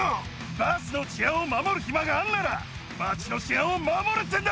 バスの治安を守る暇があるなら、街の治安を守れってんだ。